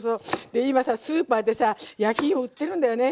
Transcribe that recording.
で今さスーパーでさ焼きいも売ってるんだよね